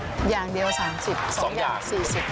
อย่างเดียวสามสิบสองอย่างสี่สิบ